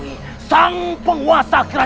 ini adalah tinjauan rahsa